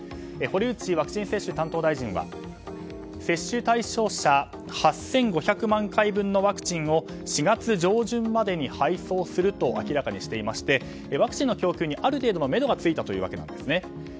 堀内ワクチン接種担当大臣は接種対象者８５００万回分のワクチンを４月上旬までに配送すると明らかにしていましてワクチンの供給にある程度のめどがついたということですね。